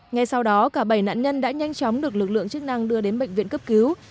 ngay sau đó cả bảy nạn nhân đã nhanh chóng được lực lượng chức năng đưa đến bệnh viện cấp cứu